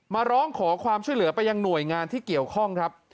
มาร้องขอความช่วยเหลือไปยังหน่วยงานที่เกี่ยวข้องครับ